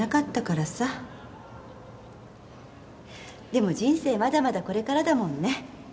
でも人生まだまだこれからだもんね。